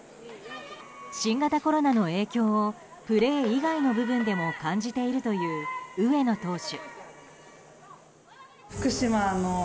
新型コロナの影響をプレー以外の部分でも感じているという上野投手。